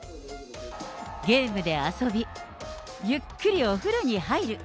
ゲームで遊び、ゆっくりお風呂に入る。